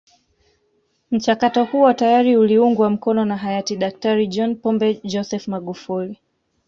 Mchakato huo tayari uliungwa mkono na hayati Daktari John Pombe Joseph Magufuli